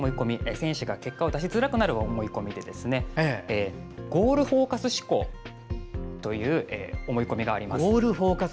選手が結果を出しづらくなる「ゴールフォーカス思考」という思い込みがあります。